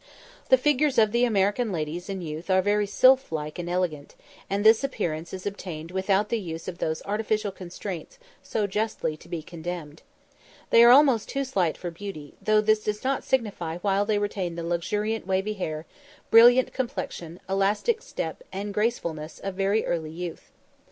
The figures of the American ladies in youth are very sylph like and elegant; and this appearance is obtained without the use of those artificial constraints so justly to be condemned. They are almost too slight for beauty, though this does not signify while they retain the luxuriant wavy hair, brilliant complexion, elastic step, and gracefulness of very early youth.